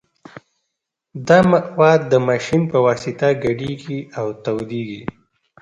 دا مواد د ماشین په واسطه ګډیږي او تودیږي